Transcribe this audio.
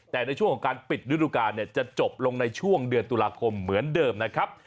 แต่ในช่วงของการปิดฤดูการจะจบลงในช่วงเดือนตุลาคมเหมือนเดิมนะครับ